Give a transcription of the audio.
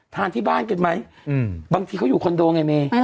ทานที่บ้านกันไหมบางทีเขาอยู่คอนโดไงเม